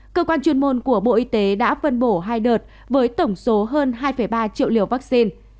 cơ quan chuyên môn của bộ y tế đã phân bổ hai đợt với tổng số hơn hai ba triệu liều vaccine